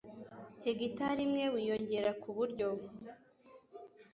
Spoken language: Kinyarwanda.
hegitari imwe wiyongera ku buryo